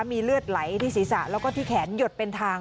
มีเลือดไหลที่ศีรษะแล้วก็ที่แขนหยดเป็นทาง